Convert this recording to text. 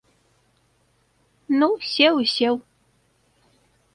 Ну сеў і сеў.